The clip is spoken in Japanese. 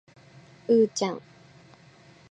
うーちゃん